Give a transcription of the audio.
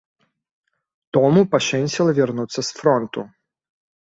Тому пашэнціла вярнуцца з фронту.